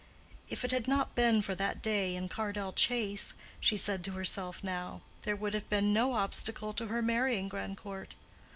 If it had not been for that day in Cardell Chase, she said to herself now, there would have been no obstacle to her marrying Grandcourt.